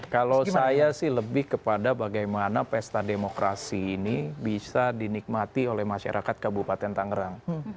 kalau saya sih lebih kepada bagaimana pesta demokrasi ini bisa dinikmati oleh masyarakat kabupaten tangerang